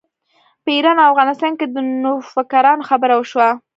په ایران او افغانستان کې د نوفکرانو خبره وشوه.